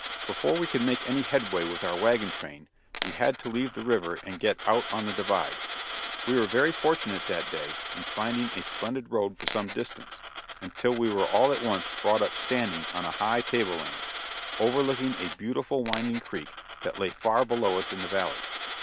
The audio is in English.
Before we could make any headway with our wagon train we had to leave the river and get out on the divide. We were very fortunate that day in finding a splendid road for some distance, until we were all at once brought up standing on a high table land, overlooking a beautiful winding creek that lay far below us in the valley.